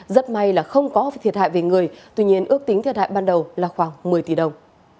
rất may là không có thiệt hại về người tuy nhiên ước tính thiệt hại ban đầu là khoảng một mươi tỷ đồng